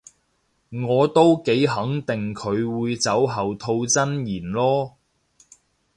我都幾肯定佢會酒後吐真言囉